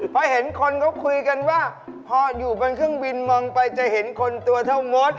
เพราะเห็นคนเขาคุยกันว่าพออยู่บนเครื่องบินมองไปจะเห็นคนตัวเท่ามด